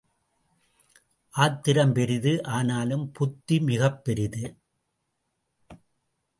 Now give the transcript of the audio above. ஆத்திரம் பெரிது ஆனாலும் புத்தி மிகப் பெரிது.